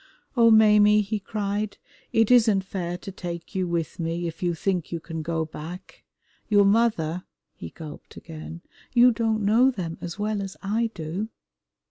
"Oh, Maimie," he cried, "it isn't fair to take you with me if you think you can go back. Your mother" he gulped again "you don't know them as well as I do."